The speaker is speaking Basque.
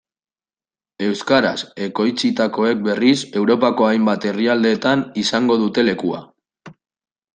Euskaraz ekoitzitakoek berriz, Europako hainbat herrialdetan izango dute lekua.